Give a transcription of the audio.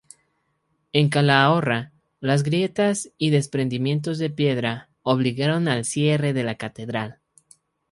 En Calahorra, las grietas y desprendimientos de piedra obligaron al cierre de la Catedral.